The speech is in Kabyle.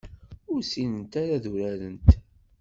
Ur ssinent ara ad urarent.